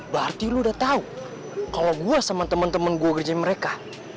bartir udah tahu kalau gua sama temen temen gue kerja mereka